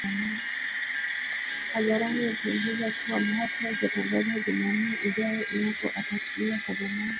hadharani akiongeza kuwa mahakama itatangaza Jumanne ijayo ikiwa ataachiliwa kwa dhamana